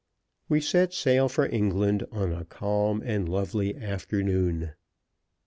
We set sail for England on a calm and lovely afternoon.